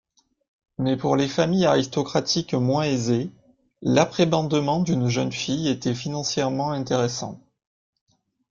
Mais pour les familles aristocratiques moins aisées, l'apprébendement d'une jeune fille était financièrement intéressant.